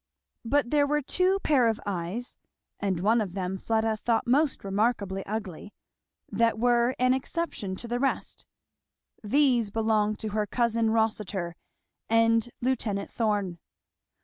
But there were two pair of eyes, and one of them Fleda thought most remarkably ugly, that were an exception to the rest; these belonged to her cousin Rossitur and Lieut. Thorn.